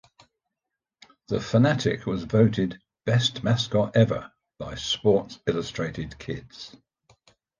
The Phanatic was voted "best mascot ever" by "Sports Illustrated Kids".